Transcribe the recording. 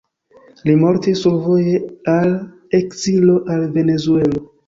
Li mortis survoje al ekzilo al Venezuelo.